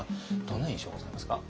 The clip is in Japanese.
どんな印象ございますか？